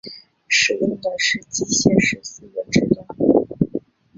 使用的是机械式四轮制动。